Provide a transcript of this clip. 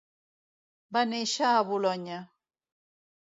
Va nàixer a Bolonya.